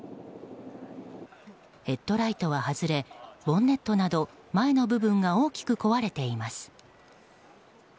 ヘッドライトは外れボンネットなど前の部分が大きく壊れています。